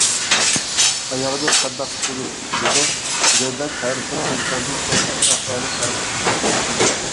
«ئاياغنىڭ قانداقلىقىنى پۇت بىلىدۇ» دېگەندەك، ھەربىر ئىنساننىڭ كونكرېت ئەھۋالى پەرقلىق بولىدۇ.